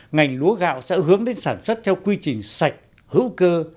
ngành lúa gạo sẽ hướng đến sản xuất theo quy trình sạch hữu cơ